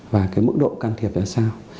và cái mức độ can thiệp là sao